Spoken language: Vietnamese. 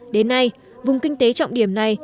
đến nay vùng kinh tế trọng điểm này